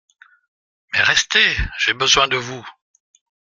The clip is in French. Mais restez, j’ai besoin de vous…